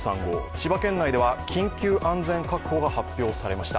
千葉県では緊急安全確保が発表されました。